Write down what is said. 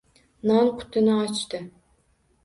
Non qutini ochdi